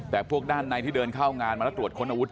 แต่พวกด้านในที่เดินเข้างานมาแล้วตรวจค้นอาวุธ